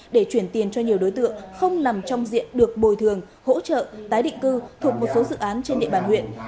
để chuyển tiền cho nhiều đối tượng không nằm trong diện được bồi thường hỗ trợ tái định cư thuộc một số dự án trên địa bàn huyện